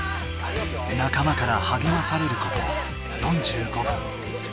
仲間からはげまされること４５分。